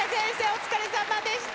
お疲れさまでした。